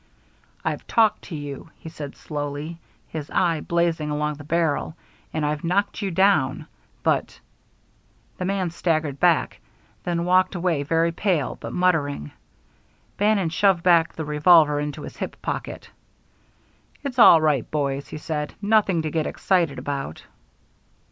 "I've talked to you," he said slowly, his eye blazing along the barrel, "and I've knocked you down. But " The man staggered back, then walked away very pale, but muttering. Bannon shoved back the revolver into his hip pocket. "It's all right, boys," he said, "nothing to get excited about."